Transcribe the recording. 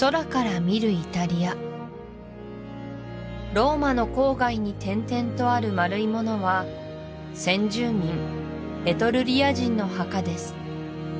・ローマの郊外に点々とある丸いものは先住民エトルリア人の墓です